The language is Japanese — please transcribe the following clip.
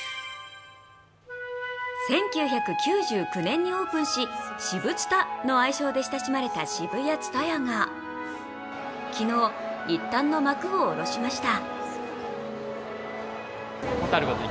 １９９９年にオープンしシブツタの愛称で親しまれたＳＨＩＢＵＹＡＴＳＵＴＡＹＡが昨日、いったんの幕を下ろしました。